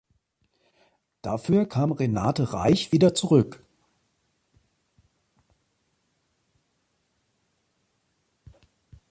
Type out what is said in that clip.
Dafür kam Renate Reich wieder zurück.